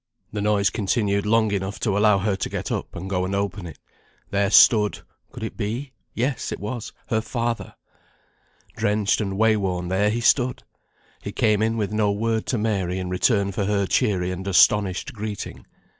The noise continued long enough to allow her to get up, and go and open it. There stood could it be? yes it was, her father! Drenched and way worn, there he stood! He came in with no word to Mary in return for her cheery and astonished greeting.